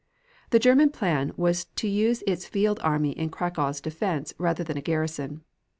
The German plan was to use its field army in Cracow's defense rather than a garrison.